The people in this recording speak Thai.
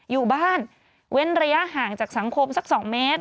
อยู่บ้านเว้นระยะห่างจากสังคมสัก๒เมตร